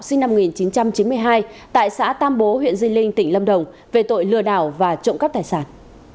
sinh năm một nghìn chín trăm chín mươi hai tại xã tam bố huyện di linh tỉnh lâm đồng về tội lừa đảo và trộm cắp tài sản